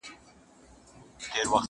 او یوازي هغه څوک هلته پایېږي،